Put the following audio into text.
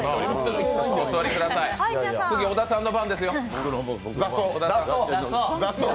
次、小田さんの番ですよ。